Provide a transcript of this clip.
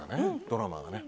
ドラマがね。